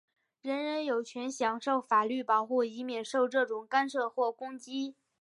人人有权享受法律保护,以免受这种干涉或攻击。